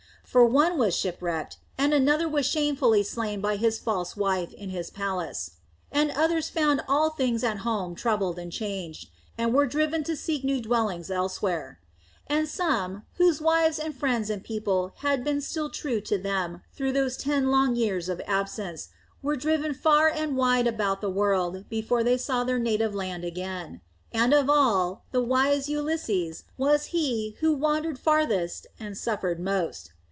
For one was shipwrecked, and another was shamefully slain by his false wife in his palace, and others found all things at home troubled and changed, and were driven to seek new dwellings elsewhere. And some, whose wives and friends and people had been still true to them through those ten long years of absence, were driven far and wide about the world before they saw their native land again. And of all, the wise Ulysses was he who wandered farthest and suffered most.